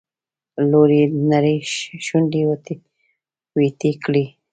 لور يې نرۍ شونډې ويتې کړې.